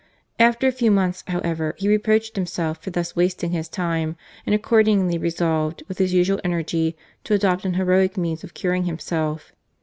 After a few months, however, he reproached himself for thus wasting his time, and accordingly resolved, with his usual energy, to adopt an heroic means of curing himself.